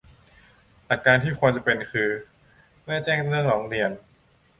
หลักการที่ควรจะเป็นคือ เมื่อแจ้งเรื่องร้องเรียน